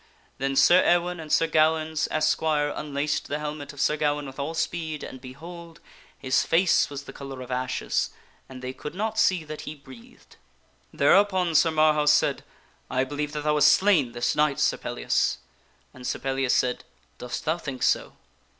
Then Sir Ewaine and Sir Gawaine's esquire unlaced the helmet of Sir Gawaine with all speed, and, behold ! his face was the color of ashes and they could not see that he breathed. Thereupon Sir Marhaus said, " I believe that thou hast slain this knight, Sir Pellias," and Sir Pellias said, " Dost thou think so?"